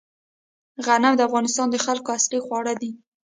غنم د افغانستان د خلکو اصلي خواړه دي